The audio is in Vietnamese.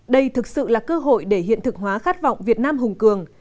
đây thực sự là cơ hội để hiện thực hóa khát vọng việt nam hùng cường